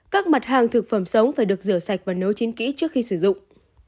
các mặt hàng thực phẩm sống phải được rửa sạch và nấu chín kỹ trước khi sử dụng